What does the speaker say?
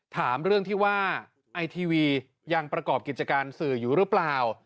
ถามเรื่องที่ว่าไอทีวียังประกอบกิจการสื่ออยู่หรือเปล่า